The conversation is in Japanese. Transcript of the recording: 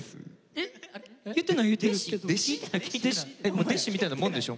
もう弟子みたいなもんでしょ？